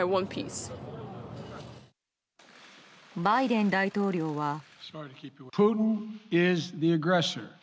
バイデン大統領は。